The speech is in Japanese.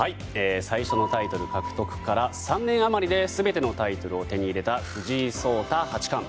最初のタイトル獲得から３年余りで全てのタイトルを手に入れた藤井聡太八冠。